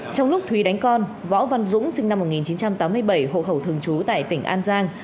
trong lúc thúy đánh con võ văn dũng sinh năm một nghìn chín trăm tám mươi bảy hộ khẩu thường trú tại tỉnh an giang